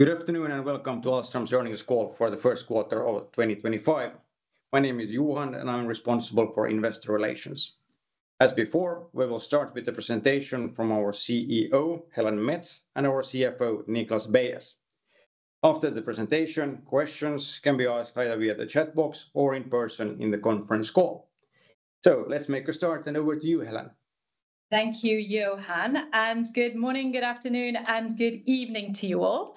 Good afternoon and welcome to Ahlstrom's earnings call for the first quarter of 2025. My name is Johan and I'm responsible for investor relations. As before, we will start with the presentation from our CEO, Helen Mets, and our CFO, Niklas Beyes. After the presentation, questions can be asked either via the chat box or in person in the conference call. Let's make a start and over to you, Helen. Thank you, Johan. Good morning, good afternoon, and good evening to you all.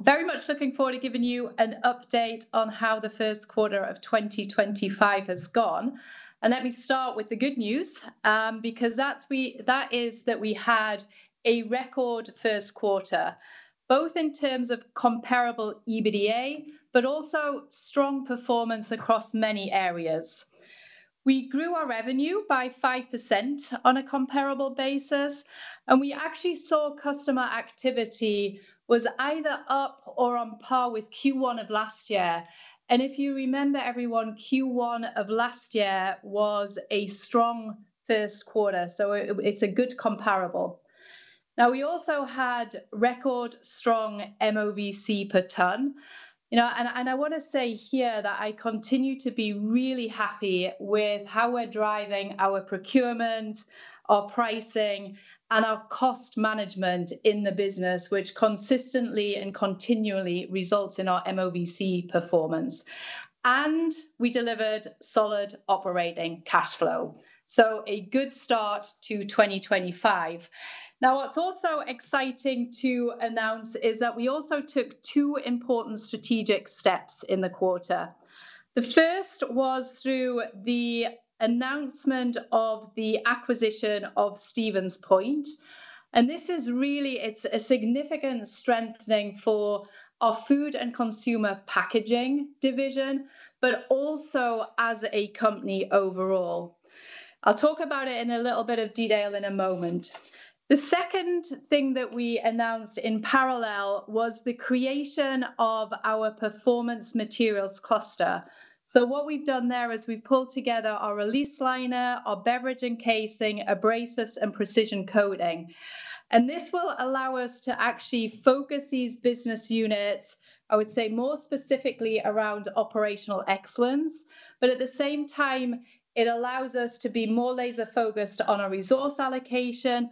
Very much looking forward to giving you an update on how the first quarter of 2025 has gone. Let me start with the good news, because that is that we had a record first quarter, both in terms of comparable EBITDA, but also strong performance across many areas. We grew our revenue by 5% on a comparable basis, and we actually saw customer activity was either up or on par with Q1 of last year. If you remember, everyone, Q1 of last year was a strong first quarter, so it's a good comparable. We also had record strong MOVC per tonne. I want to say here that I continue to be really happy with how we're driving our procurement, our pricing, and our cost management in the business, which consistently and continually results in our MOVC performance. We delivered solid operating cash flow. A good start to 2025. What is also exciting to announce is that we also took two important strategic steps in the quarter. The first was through the announcement of the acquisition of Stevens Point. This is really, it's a significant strengthening for our Food and Consumer Packaging division, but also as a company overall. I'll talk about it in a little bit of detail in a moment. The second thing that we announced in parallel was the creation of our Performance Materials cluster. What we've done there is we've pulled together our Release Liner, our Beverage & Casing, Abrasives, and Precision Coating. This will allow us to actually focus these business units, I would say more specifically around operational excellence, but at the same time, it allows us to be more laser-focused on our resource allocation.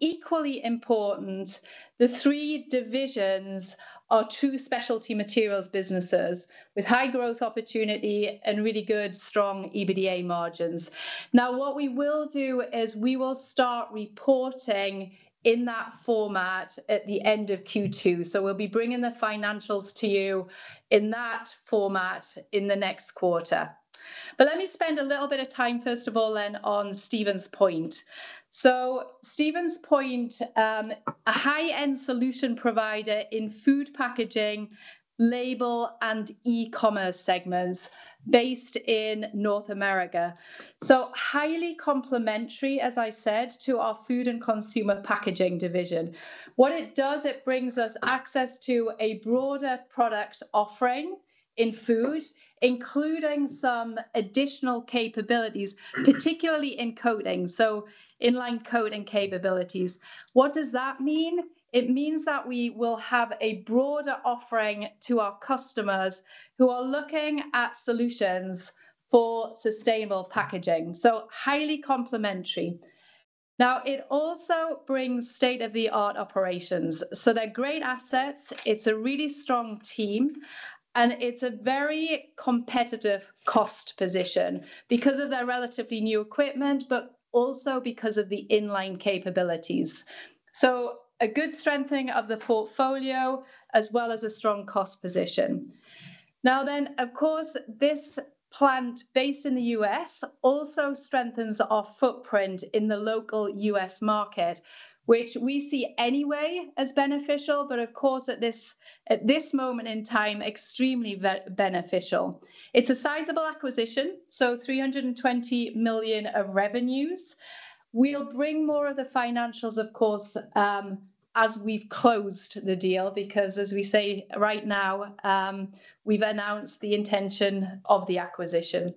Equally important, the three divisions are two specialty materials businesses with high growth opportunity and really good strong EBITDA margins. What we will do is we will start reporting in that format at the end of Q2. We will be bringing the financials to you in that format in the next quarter. Let me spend a little bit of time, first of all, then on Stevens Point. Stevens Point, a high-end solution provider in food packaging, label, and e-commerce segments based in North America. Highly complementary, as I said, to our Food and Consumer Packaging division. What it does, it brings us access to a broader product offering in food, including some additional capabilities, particularly in coating, so in-line coating capabilities. What does that mean? It means that we will have a broader offering to our customers who are looking at solutions for sustainable packaging. So highly complementary. Now, it also brings state-of-the-art operations. They are great assets. It is a really strong team, and it is a very competitive cost position because of their relatively new equipment, but also because of the in-line capabilities. A good strengthening of the portfolio, as well as a strong cost position. Now then, of course, this plant based in the U.S. also strengthens our footprint in the local U.S. market, which we see anyway as beneficial, but of course, at this moment in time, extremely beneficial. It is a sizable acquisition, $320 million of revenues. We'll bring more of the financials, of course, as we've closed the deal, because as we say right now, we've announced the intention of the acquisition.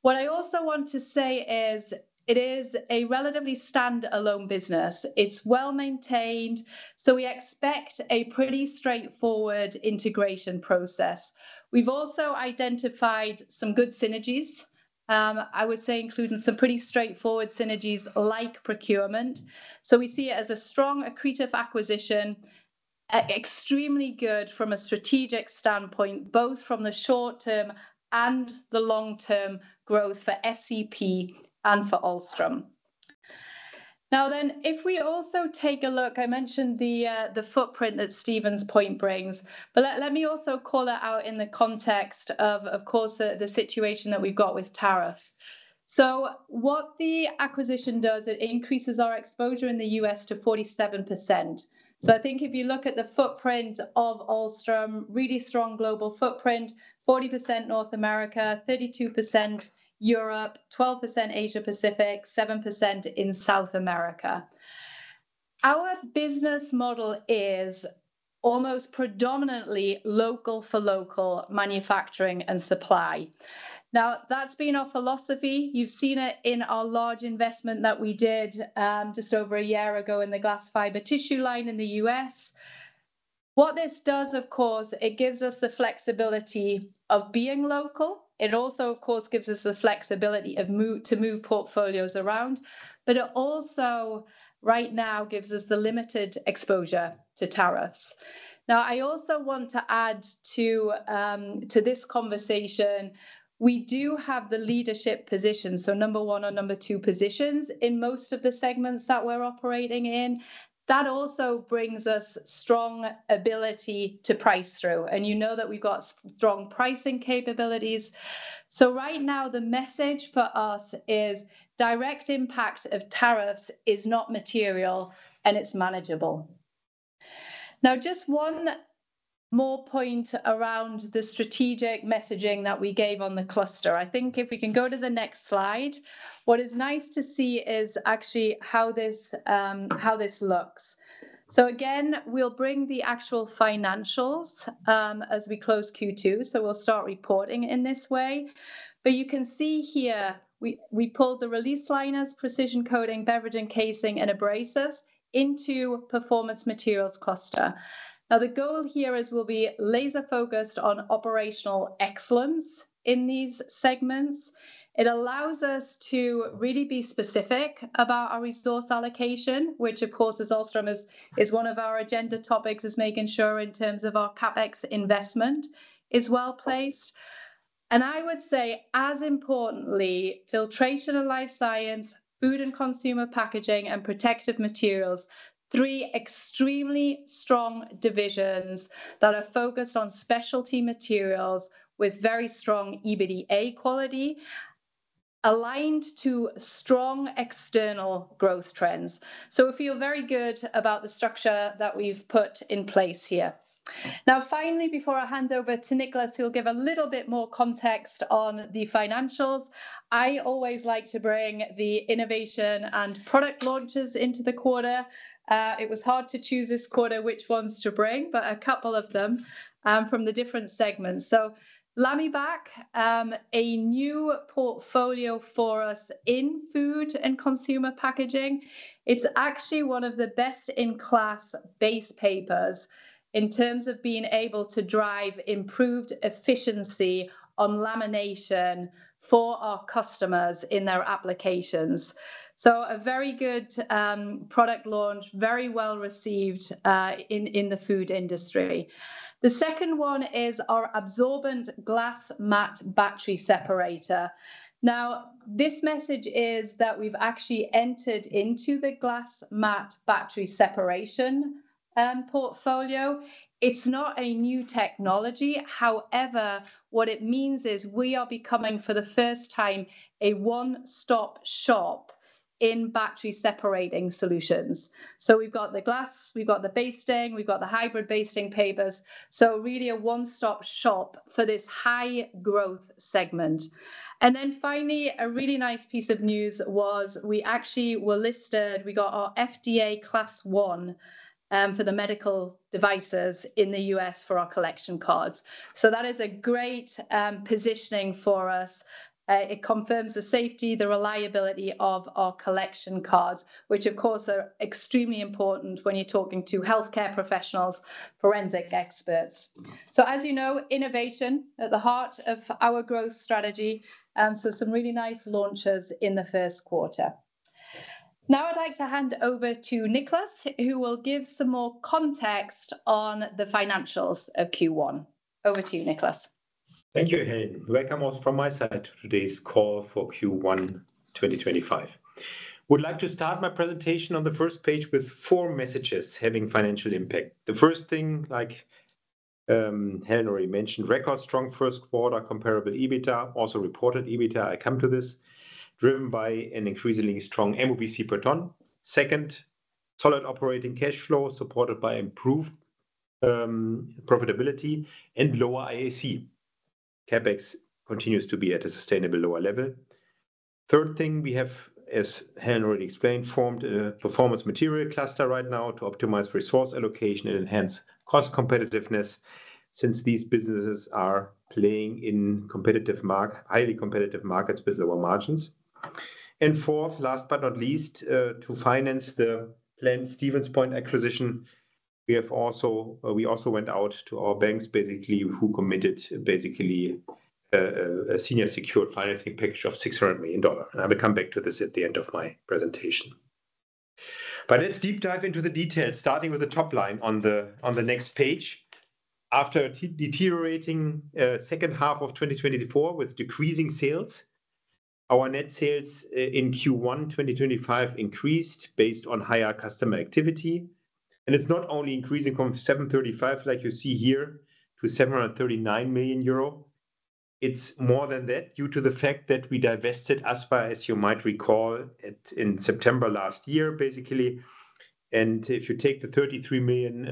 What I also want to say is it is a relatively standalone business. It's well maintained, so we expect a pretty straightforward integration process. We've also identified some good synergies, I would say, including some pretty straightforward synergies like procurement. We see it as a strong accretive acquisition, extremely good from a strategic standpoint, both from the short term and the long term growth for FCP and for Ahlstrom. Now, if we also take a look, I mentioned the footprint that Stevens Point brings, but let me also call it out in the context of, of course, the situation that we've got with tariffs. What the acquisition does, it increases our exposure in the U.S. to 47%. I think if you look at the footprint of Ahlstrom, really strong global footprint, 40% North America, 32% Europe, 12% Asia-Pacific, 7% in South America. Our business model is almost predominantly local for local manufacturing and supply. Now, that's been our philosophy. You've seen it in our large investment that we did just over a year ago in the glass fiber tissue line in the U.S. What this does, of course, it gives us the flexibility of being local. It also, of course, gives us the flexibility to move portfolios around, but it also right now gives us the limited exposure to tariffs. I also want to add to this conversation, we do have the leadership position, so number one or number two positions in most of the segments that we're operating in. That also brings us strong ability to price through. You know that we've got strong pricing capabilities. Right now, the message for us is direct impact of tariffs is not material and it's manageable. Just one more point around the strategic messaging that we gave on the cluster. I think if we can go to the next slide, what is nice to see is actually how this looks. Again, we'll bring the actual financials as we close Q2, so we'll start reporting in this way. You can see here, we pulled the Release Liners, Precision Coating, Beverage & Casing, and Abrasives into Performance Materials cluster. The goal here is we'll be laser-focused on operational excellence in these segments. It allows us to really be specific about our resource allocation, which, of course, as Ahlstrom is, is one of our agenda topics, is making sure in terms of our CapEx investment is well-placed. I would say, as importantly, Filtration and Life Science, Food and Consumer Packaging, and Protective Materials, three extremely strong divisions that are focused on specialty materials with very strong EBITDA quality aligned to strong external growth trends. We feel very good about the structure that we've put in place here. Now, finally, before I hand over to Niklas, he'll give a little bit more context on the financials. I always like to bring the innovation and product launches into the quarter. It was hard to choose this quarter which ones to bring, but a couple of them from the different segments. LamiBak, a new portfolio for us in Food and Consumer Packaging packaging. It's actually one of the best-in-class base papers in terms of being able to drive improved efficiency on lamination for our customers in their applications. A very good product launch, very well received in the food industry. The second one is our absorbent glass mat battery separator. Now, this message is that we've actually entered into the glass mat battery separation portfolio. It's not a new technology. However, what it means is we are becoming, for the first time, a one-stop shop in battery separating solutions. We've got the glass, we've got the pasting, we've got the hybrid pasting papers. Really a one-stop shop for this high-growth segment. Finally, a really nice piece of news was we actually were listed, we got our FDA Class 1 for the medical devices in the U.S. for our collection cards. That is a great positioning for us. It confirms the safety, the reliability of our collection cards, which, of course, are extremely important when you're talking to healthcare professionals, forensic experts. As you know, innovation at the heart of our growth strategy. Some really nice launches in the first quarter. Now, I'd like to hand over to Niklas, who will give some more context on the financials of Q1. Over to you, Niklas. Thank you, Helen. Welcome also from my side to today's call for Q1 2025. I would like to start my presentation on the first page with four messages having financial impact. The first thing, like Helen already mentioned, record strong first quarter, comparable EBITDA, also reported EBITDA, I come to this, driven by an increasingly strong MOVC per tonne. Second, solid operating cash flow supported by improved profitability and lower IAC. CapEx continues to be at a sustainable lower level. Third thing we have, as Helen already explained, formed a Performance Materials cluster right now to optimize resource allocation and enhance cost competitiveness since these businesses are playing in highly competitive markets with lower margins. Fourth, last but not least, to finance the planned Stevens Point acquisition, we also went out to our banks basically who committed basically a senior secured financing package of $600 million. I will come back to this at the end of my presentation. Let's deep dive into the details, starting with the top line on the next page. After a deteriorating second half of 2024 with decreasing sales, our net sales in Q1 2025 increased based on higher customer activity. It's not only increasing from 735 million, like you see here, to 739 million euro. It's more than that due to the fact that we divested Aspa, as you might recall, in September last year, basically. If you take the 33 million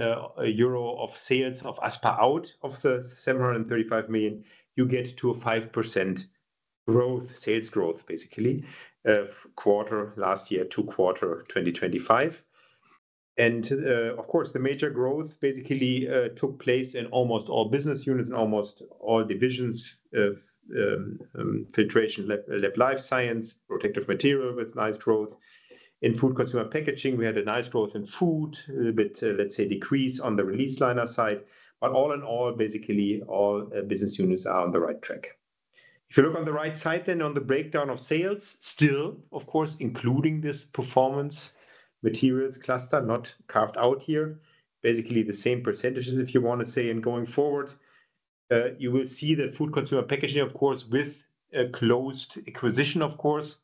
euro of sales of Aspa out of the 735 million, you get to a 5% growth, sales growth, basically, quarter last year to quarter 2025. Of course, the major growth basically took place in almost all business units and almost all divisions, filtration, lab, life science, protective material with nice growth. In Food and Consumer Packaging, we had a nice growth in food, a little bit, let's say, decrease on the Release Liner side. All in all, basically, all business units are on the right track. If you look on the right side, then on the breakdown of sales, still, of course, including this Performance Materials cluster, not carved out here, basically the same percentages, if you want to say, and going forward, you will see the Food and Consumer Packaging, of course, with a closed acquisition, of course,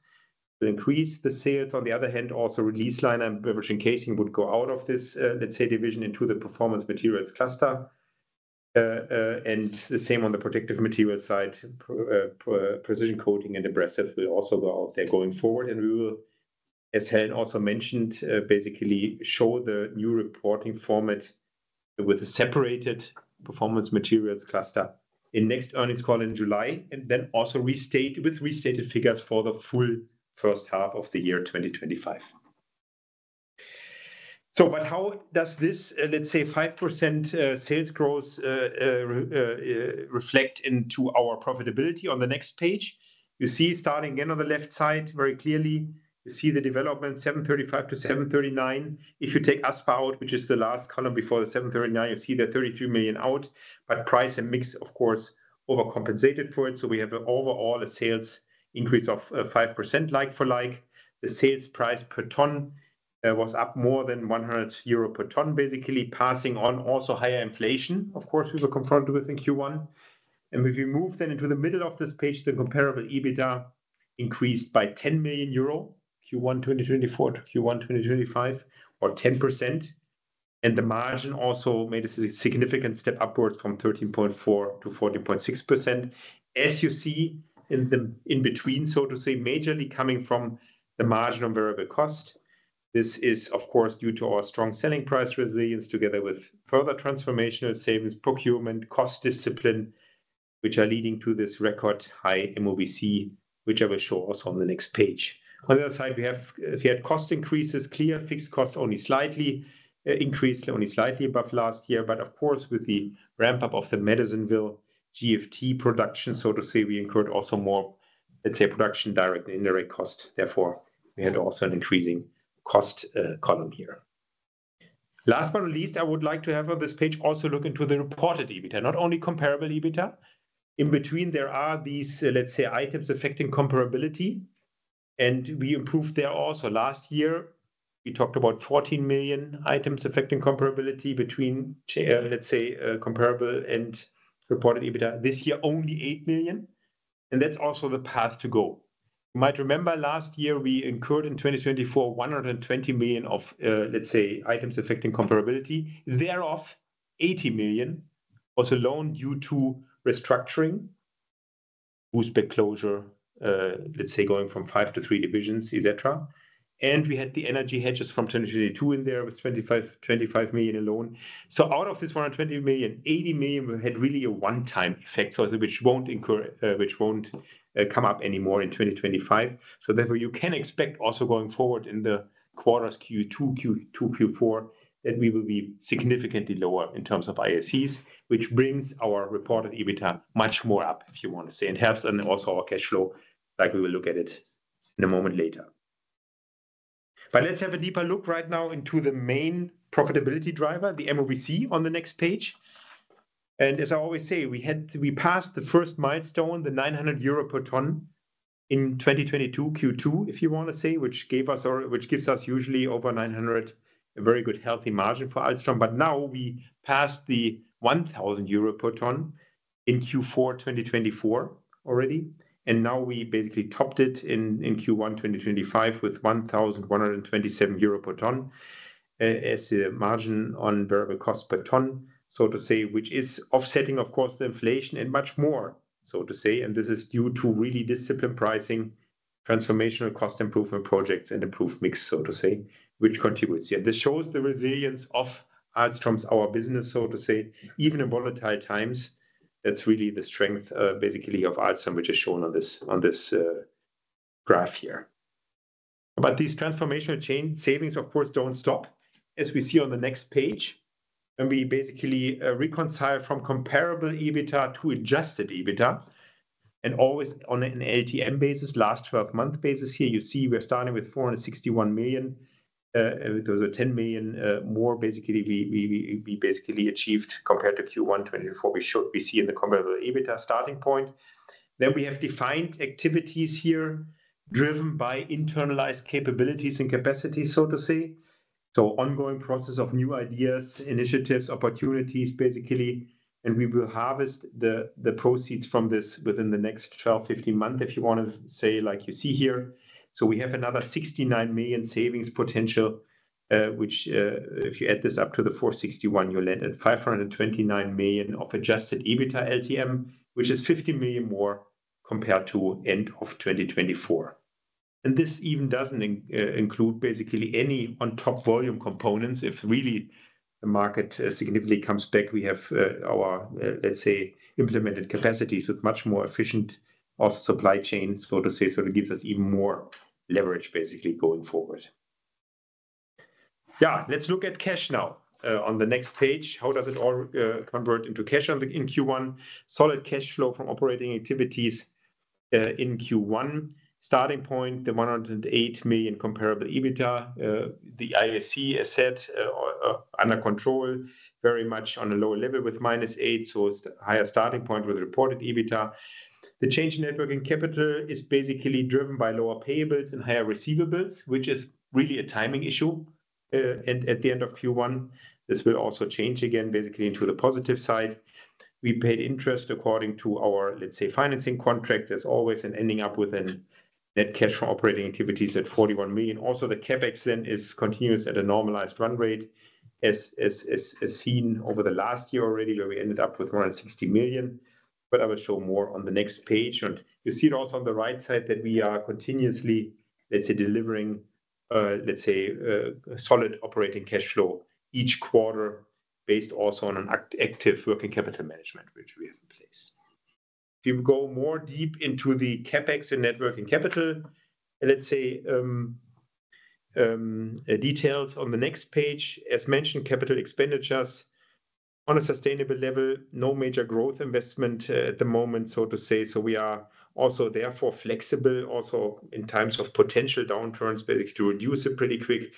to increase the sales. On the other hand, also Release Liner and Beverage & Casing would go out of this, let's say, division into the Performance Materials cluster. The same on the Protective Materials side, Precision Coating and Abrasives will also go out there going forward. We will, as Helen also mentioned, basically show the new reporting format with a separated Performance Materials cluster in the next earnings call in July, and then also with restated figures for the full first half of the year 2025. How does this, let's say, 5% sales growth reflect into our profitability on the next page? You see, starting again on the left side, very clearly, you see the development 735 million to 739 million. If you take Aspa out, which is the last column before the 739 million, you see the 33 million out, but price and mix, of course, overcompensated for it. We have overall a sales increase of 5% like for like. The sales price per tonne was up more than 100 euro per tonne, basically passing on also higher inflation, of course, we were confronted with in Q1. If you move then into the middle of this page, the comparable EBITDA increased by 10 million euro, Q1 2024 to Q1 2025, or 10%. The margin also made a significant step upwards from 13.4% to 14.6%. As you see in the in between, so to say, majorly coming from the margin on variable cost. This is, of course, due to our strong selling price resilience together with further transformational savings, procurement, cost discipline, which are leading to this record high MOVC, which I will show also on the next page. On the other side, we have if you had cost increases, clear fixed costs only slightly increased, only slightly above last year. Of course, with the ramp-up of the Madisonville GFT production, so to say, we incurred also more, let's say, production direct and indirect cost. Therefore, we had also an increasing cost column here. Last but not least, I would like to have on this page also look into the reported EBITDA, not only comparable EBITDA. In between, there are these, let's say, items affecting comparability. We improved there also. Last year, we talked about 14 million items affecting comparability between, let's say, comparable and reported EBITDA. This year, only 8 million. That is also the path to go. You might remember last year, we incurred in 2024, 120 million of, let's say, items affecting comparability. Thereof, 80 million was a loan due to restructuring, Bousbecque closure, let's say, going from five to three divisions, etc. We had the energy hedges from 2022 in there with 25 million alone. Out of this 120 million, 80 million had really a one-time effect, which will not come up anymore in 2025. Therefore, you can expect also going forward in the quarters Q2, Q4, that we will be significantly lower in terms of IACs, which brings our reported EBITDA much more up, if you want to say, and helps and also our cash flow, like we will look at it in a moment later. Let's have a deeper look right now into the main profitability driver, the MOVC on the next page. As I always say, we passed the first milestone, the 900 euro per tonne in 2022 Q2, if you want to say, which gives us usually over 900, a very good healthy margin for Ahlstrom. Now we passed the 1,000 euro per tonne in Q4 2024 already. We basically topped it in Q1 2025 with 1,127 euro per tonne as a margin on variable cost per tonne, so to say, which is offsetting, of course, the inflation and much more, so to say. This is due to really disciplined pricing, transformational cost improvement projects, and improved mix, so to say, which continues. This shows the resilience of Ahlstrom's business, so to say, even in volatile times. That is really the strength, basically, of Ahlstrom, which is shown on this graph here. These transformational savings, of course, do not stop, as we see on the next page. We basically reconcile from comparable EBITDA to adjusted EBITDA. Always on an LTM basis, last 12-month basis here, you see we are starting with 461 million. Those are 10 million more, basically, we basically achieved compared to Q1 2024. We should be seeing the comparable EBITDA starting point. We have defined activities here driven by internalized capabilities and capacity, so to say. Ongoing process of new ideas, initiatives, opportunities, basically. We will harvest the proceeds from this within the next 12 to 15 months, if you want to say, like you see here. We have another 69 million savings potential, which if you add this up to the 461 million, you'll end at 529 million of adjusted EBITDA LTM, which is 50 million more compared to end of 2024. This even does not include basically any on-top volume components. If really the market significantly comes back, we have our, let's say, implemented capacities with much more efficient also supply chains, so to say, so it gives us even more leverage, basically, going forward. Yeah, let's look at cash now on the next page. How does it all convert into cash in Q1? Solid cash flow from operating activities in Q1. Starting point, the 108 million comparable EBITDA, the IAC asset under control, very much on a lower level with minus 8 million, so it's a higher starting point with reported EBITDA. The change in networking capital is basically driven by lower payables and higher receivables, which is really a timing issue. At the end of Q1, this will also change again, basically into the positive side. We paid interest according to our, let's say, financing contracts, as always, and ending up with a net cash from operating activities at 41 million. Also, the CapEx then is continuous at a normalized run rate, as seen over the last year already, where we ended up with 160 million. I will show more on the next page. You see it also on the right side that we are continuously, let's say, delivering, let's say, solid operating cash flow each quarter based also on an active working capital management, which we have in place. If you go more deep into the CapEx and networking capital, let's say details on the next page, as mentioned, capital expenditures on a sustainable level, no major growth investment at the moment, so to say. We are also therefore flexible also in times of potential downturns, basically to reduce it pretty quick.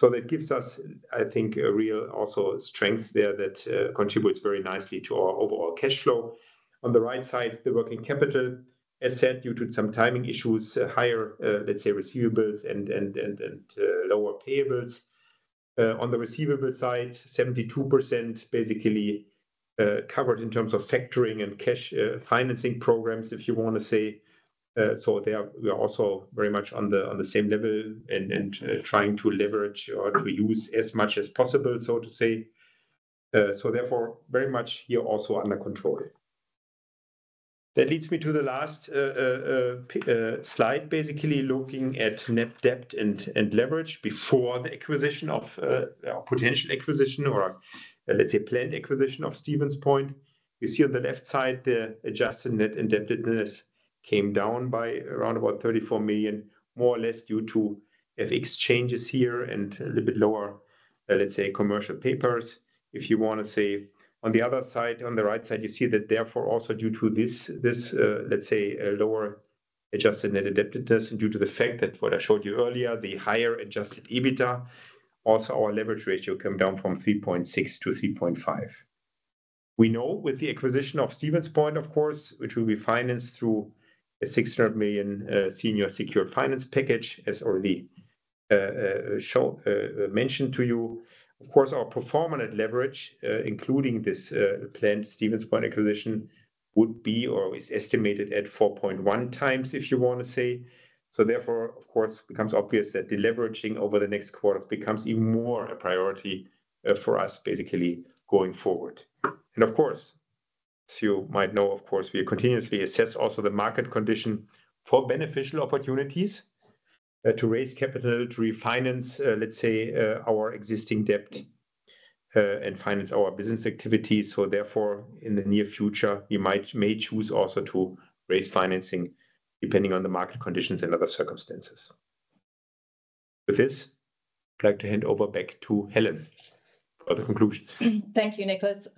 That gives us, I think, a real also strength there that contributes very nicely to our overall cash flow. On the right side, the working capital asset, due to some timing issues, higher, let's say, receivables and lower payables. On the receivable side, 72% basically covered in terms of factoring and cash financing programs, if you want to say. There we are also very much on the same level and trying to leverage or to use as much as possible, so to say. Therefore, very much here also under control. That leads me to the last slide, basically looking at net debt and leverage before the acquisition of potential acquisition or, let's say, planned acquisition of Stevens Point. You see on the left side, the adjusted net indebtedness came down by around about 34 million, more or less due to FX changes here and a little bit lower, let's say, commercial papers, if you want to say. On the other side, on the right side, you see that therefore also due to this, let's say, lower adjusted net indebtedness and due to the fact that what I showed you earlier, the higher adjusted EBITDA, also our leverage ratio came down from 3.6 to 3.5. We know with the acquisition of Stevens Point, of course, which will be financed through a $600 million senior secured finance package, as already mentioned to you. Of course, our performance at leverage, including this planned Stevens Point acquisition, would be or is estimated at 4.1 times, if you want to say. Therefore, of course, it becomes obvious that the leveraging over the next quarters becomes even more a priority for us, basically going forward. Of course, as you might know, we continuously assess also the market condition for beneficial opportunities to raise capital, to refinance, let's say, our existing debt and finance our business activities. Therefore, in the near future, we might choose also to raise financing depending on the market conditions and other circumstances. With this, I'd like to hand over back to Helen for the conclusions. Thank you, Niklas.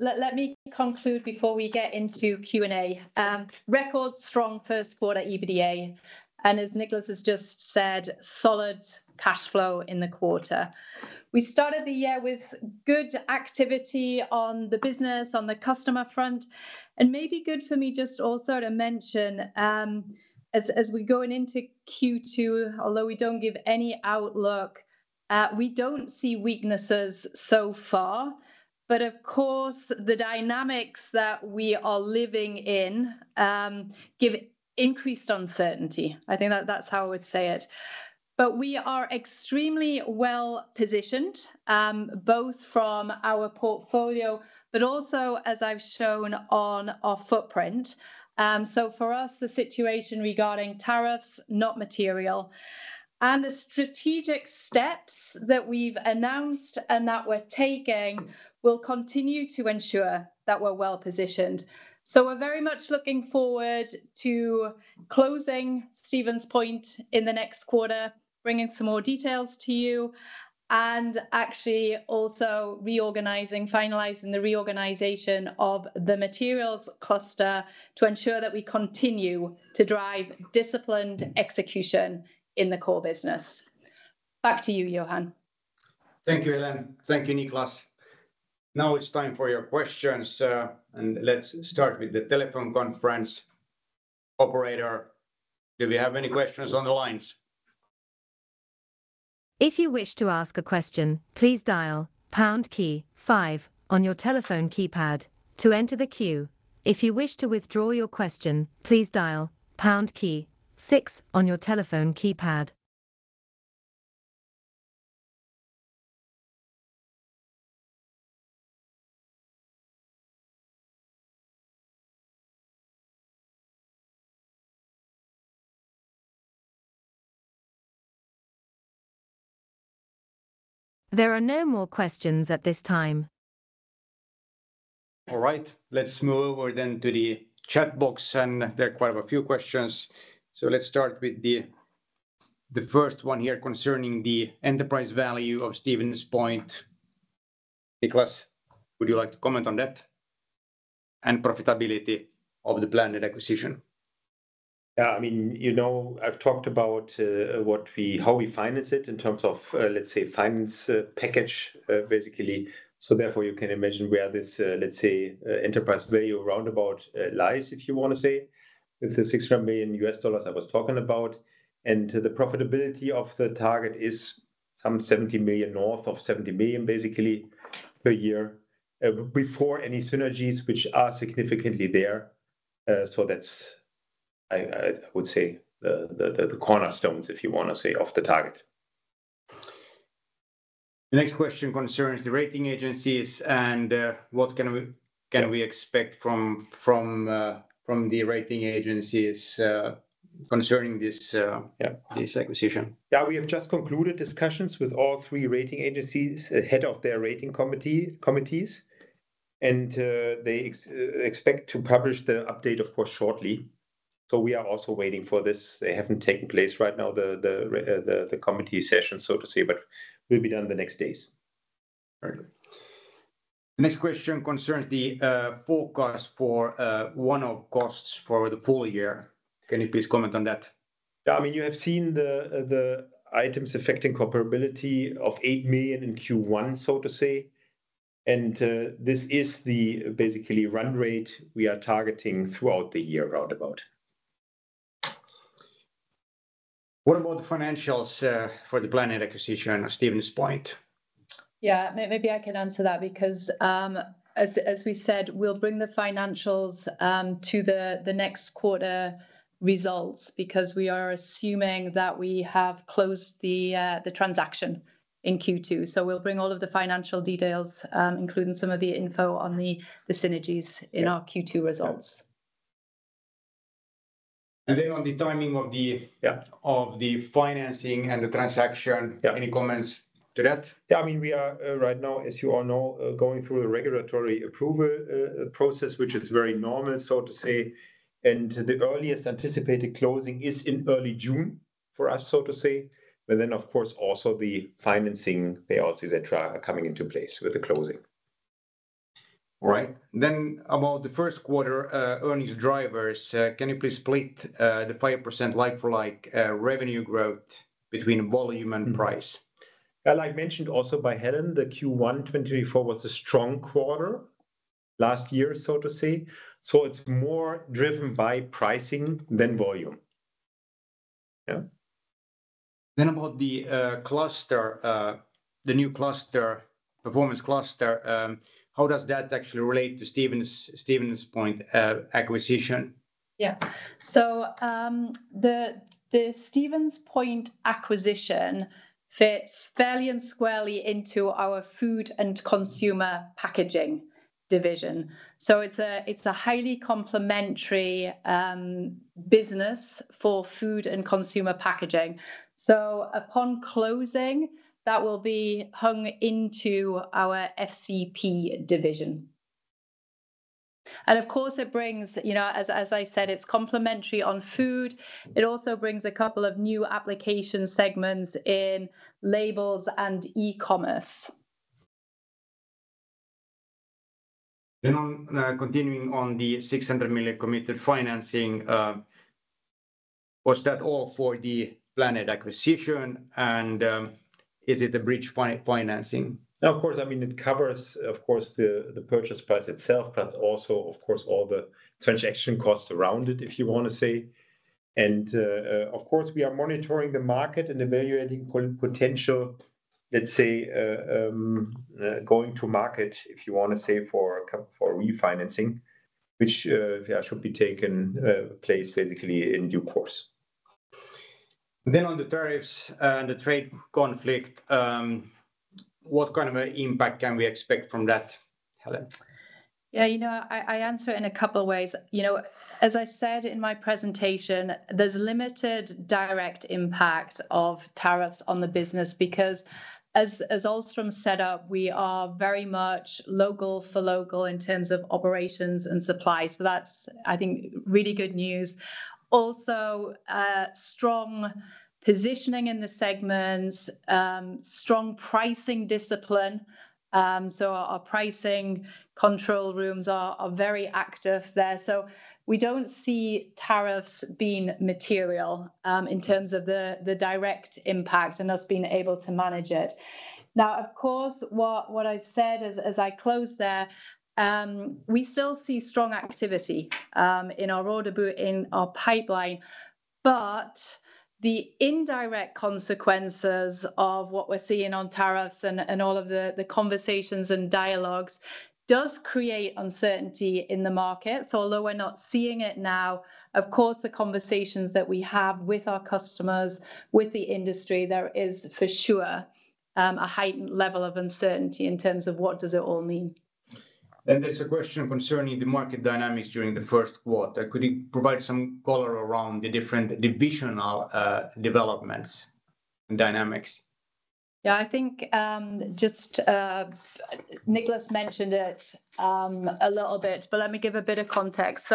Let me conclude before we get into Q&A. Record strong first quarter EBITDA. As Niklas has just said, solid cash flow in the quarter. We started the year with good activity on the business, on the customer front. Maybe good for me just also to mention, as we go into Q2, although we don't give any outlook, we don't see weaknesses so far. Of course, the dynamics that we are living in give increased uncertainty. I think that that's how I would say it. We are extremely well positioned, both from our portfolio, but also, as I've shown, on our footprint. For us, the situation regarding tariffs, not material. The strategic steps that we've announced and that we're taking will continue to ensure that we're well positioned. We are very much looking forward to closing Stevens Point in the next quarter, bringing some more details to you, and actually also reorganizing, finalizing the reorganization of the materials cluster to ensure that we continue to drive disciplined execution in the core business. Back to you, Johan. Thank you, Helen. Thank you, Niklas. Now it's time for your questions. Let's start with the telephone conference operator. Do we have any questions on the lines? If you wish to ask a question, please dial pound key five on your telephone keypad to enter the queue. If you wish to withdraw your question, please dial pound key six on your telephone keypad. There are no more questions at this time. All right, let's move over then to the chat box, and there are quite a few questions. Let's start with the first one here concerning the enterprise value of Stevens Point. Niklas, would you like to comment on that and profitability of the planned acquisition? Yeah, I mean, you know, I've talked about how we finance it in terms of, let's say, finance package, basically. Therefore, you can imagine where this, let's say, enterprise value roundabout lies, if you want to say, with the $600 million I was talking about. The profitability of the target is some 70 million, north of 70 million, basically, per year before any synergies which are significantly there. I would say that's the cornerstones, if you want to say, of the target. The next question concerns the rating agencies and what can we expect from the rating agencies concerning this acquisition? Yeah, we have just concluded discussions with all three rating agencies ahead of their rating committees. They expect to publish the update, of course, shortly. We are also waiting for this. They haven't taken place right now, the committee session, so to say, but will be done the next days. The next question concerns the forecast for one-off costs for the full year. Can you please comment on that? Yeah, I mean, you have seen the items affecting comparability of 8 million in Q1, so to say. This is basically the run rate we are targeting throughout the year, roundabout. What about the financials for the planned acquisition of Stevens Point? Maybe I can answer that because, as we said, we will bring the financials to the next quarter results because we are assuming that we have closed the transaction in Q2. We will bring all of the financial details, including some of the info on the synergies, in our Q2 results. On the timing of the financing and the transaction, any comments to that? I mean, we are right now, as you all know, going through the regulatory approval process, which is very normal, so to say. The earliest anticipated closing is in early June for us, so to say. Of course, also the financing payouts, etc., are coming into place with the closing. All right. About the first quarter earnings drivers, can you please split the 5% like-for-like revenue growth between volume and price? Yeah, like mentioned also by Helen, the Q1 2024 was a strong quarter last year, so to say. It is more driven by pricing than volume. Yeah. About the cluster, the new cluster, performance cluster, how does that actually relate to Stevens Point acquisition? Yeah. The Stevens Point acquisition fits fairly and squarely into our Food and Consumer Packaging division. It is a highly complementary business for Food and Consumer Packaging. Upon closing, that will be hung into our FCP division. Of course, it brings, as I said, it is complementary on food. It also brings a couple of new application segments in labels and e-commerce. Continuing on the $600 million committed financing, was that all for the planned acquisition? And is it a bridge financing? Of course, I mean, it covers, of course, the purchase price itself, but also, of course, all the transaction costs around it, if you want to say. Of course, we are monitoring the market and evaluating potential, let's say, going to market, if you want to say, for refinancing, which should be taking place basically in due course. On the tariffs and the trade conflict, what kind of an impact can we expect from that, Helen? Yeah, you know, I answer in a couple of ways. You know, as I said in my presentation, there's limited direct impact of tariffs on the business because, as Ahlstrom set up, we are very much local for local in terms of operations and supply. That's, I think, really good news. Also, strong positioning in the segments, strong pricing discipline. Our pricing control rooms are very active there. We do not see tariffs being material in terms of the direct impact and us being able to manage it. Now, of course, what I said as I closed there, we still see strong activity in our order book in our pipeline, but the indirect consequences of what we are seeing on tariffs and all of the conversations and dialogues do create uncertainty in the market. Although we are not seeing it now, the conversations that we have with our customers, with the industry, there is for sure a heightened level of uncertainty in terms of what does it all mean. There is a question concerning the market dynamics during the first quarter. Could you provide some color around the different divisional developments and dynamics? Yeah, I think just Niklas mentioned it a little bit, but let me give a bit of context.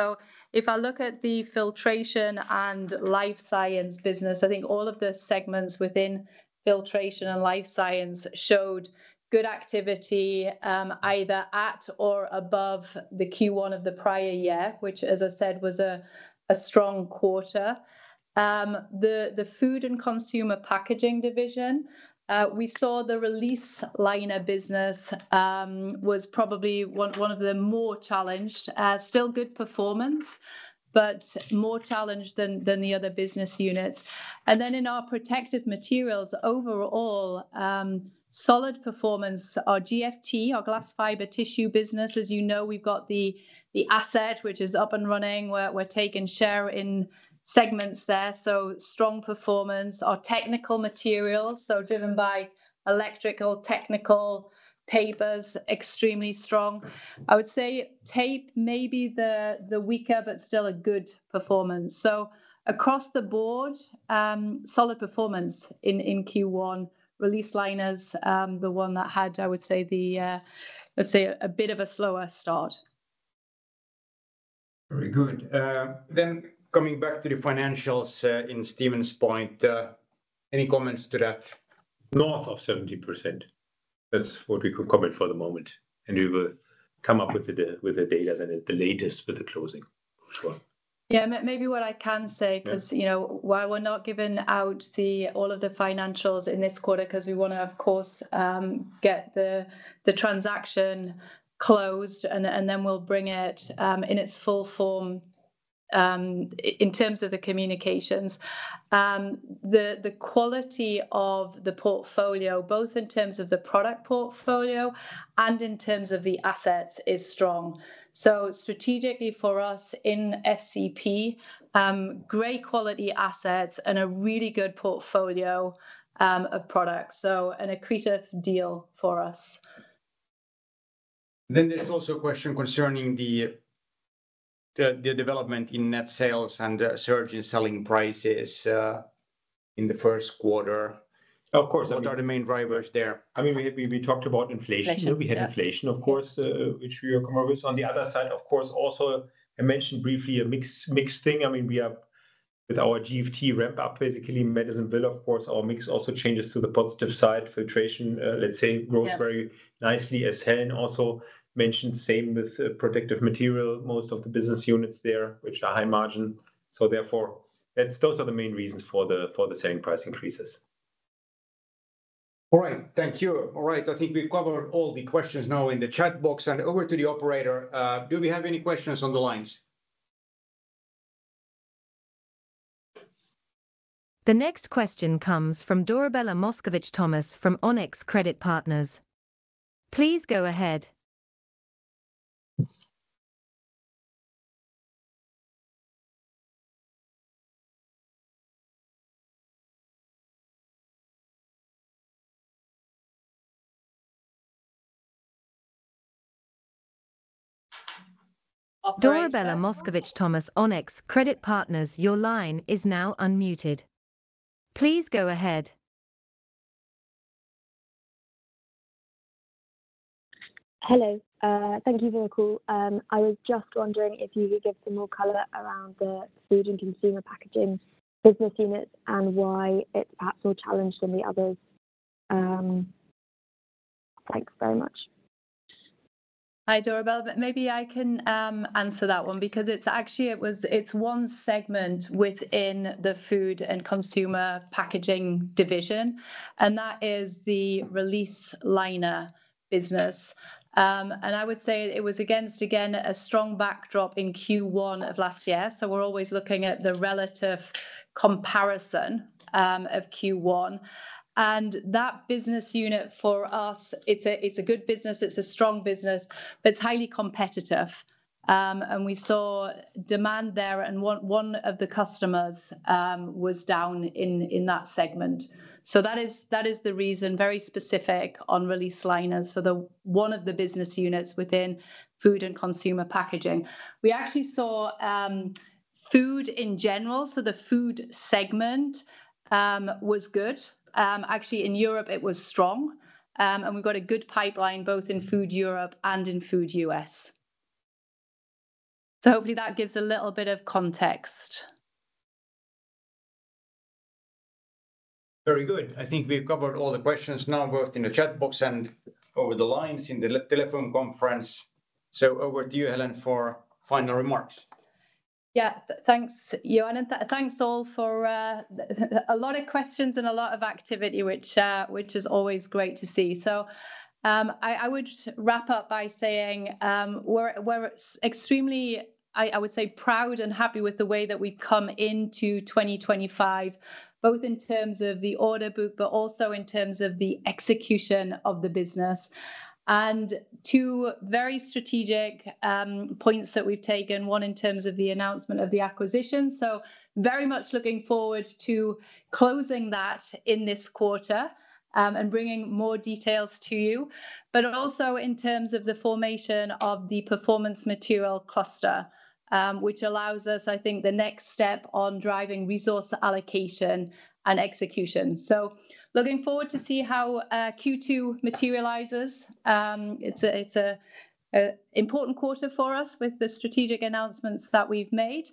If I look at the Filtration and Life Science business, I think all of the segments within Filtration and Life Science showed good activity either at or above the Q1 of the prior year, which, as I said, was a strong quarter. The Food and Consumer Packaging division, we saw the Release Liner business was probably one of the more challenged. Still good performance, but more challenged than the other business units. In our Protective Materials overall, solid performance, our GFT, our glass fiber tissue business, as you know, we've got the asset, which is up and running. We're taking share in segments there. Strong performance. Our technical materials, so driven by electrical technical papers, extremely strong. I would say tape may be the weaker, but still a good performance. Across the board, solid performance in Q1. Release Liners, the one that had, I would say, the, let's say, a bit of a slower start. Very good. Then coming back to the financials in Stevens Point, any comments to that? North of 70%. That's what we could comment for the moment. We will come up with the data then at the latest with the closing as well. Yeah, maybe what I can say, because why we're not giving out all of the financials in this quarter, we want to, of course, get the transaction closed and then we'll bring it in its full form in terms of the communications. The quality of the portfolio, both in terms of the product portfolio and in terms of the assets, is strong. Strategically for us in FCP, great quality assets and a really good portfolio of products. An acquitive deal for us. There is also a question concerning the development in net sales and surge in selling prices in the first quarter. Of course, what are the main drivers there? I mean, we talked about inflation. We had inflation, of course, which we are commodities. On the other side, of course, also I mentioned briefly a mix thing. I mean, we have with our GFT ramp-up, basically Madisonville, of course, our mix also changes to the positive side. Filtration, let's say, grows very nicely, as Helen also mentioned. Same with protective material, most of the business units there, which are high margin. Therefore, those are the main reasons for the selling price increases. All right. Thank you. All right. I think we covered all the questions now in the chat box. Over to the operator. Do we have any questions on the lines? The next question comes from Dorabella Maskovich-Thomas from Onex Credit Partners. Please go ahead. Dorabella Maskovich-Thomas, Onex Credit Partners, your line is now unmuted. Please go ahead. Hello. Thank you for the call. I was just wondering if you could give some more color around the Food and Consumer Packaging business units and why it's perhaps more challenged than the others. Thanks very much. Hi, Dorabella. Maybe I can answer that one because it's actually one segment within the Food and Consumer Packaging division, and that is the Release Liner business. I would say it was against, again, a strong backdrop in Q1 of last year. We are always looking at the relative comparison of Q1. That business unit for us, it's a good business. It's a strong business, but it's highly competitive. We saw demand there, and one of the customers was down in that segment. That is the reason, very specific on Release Liners. One of the business units within Food and Consumer Packaging. We actually saw food in general. The food segment was good. Actually, in Europe, it was strong. We have got a good pipeline both in Food Europe and in Food U.S. Hopefully that gives a little bit of context. Very good. I think we have covered all the questions now both in the chat box and over the lines in the telephone conference. Over to you, Helen, for final remarks. Yeah, thanks, Johan. Thanks all for a lot of questions and a lot of activity, which is always great to see. I would wrap up by saying we're extremely, I would say, proud and happy with the way that we've come into 2025, both in terms of the order book, but also in terms of the execution of the business. Two very strategic points that we've taken, one in terms of the announcement of the acquisition. Very much looking forward to closing that in this quarter and bringing more details to you, but also in terms of the formation of the performance material cluster, which allows us, I think, the next step on driving resource allocation and execution. Looking forward to see how Q2 materializes. It's an important quarter for us with the strategic announcements that we've made.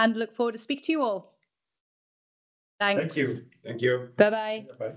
Look forward to speaking to you all. Thanks. Thank you. Thank you. Bye-bye. Bye-bye.